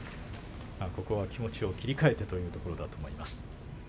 ここは気持ちを切り替えてといったところだと思います。